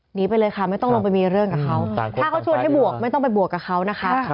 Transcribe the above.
หนีไปเลยค่ะไม่ต้องลงไปมีเรื่องกับเขาถ้าเขาชวนให้บวกไม่ต้องไปบวกกับเขานะคะ